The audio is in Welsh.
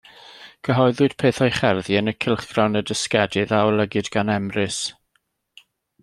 Cyhoeddwyd peth o'i cherddi yn y cylchgrawn Y Dysgedydd a olygid gan Emrys.